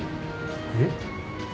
えっ？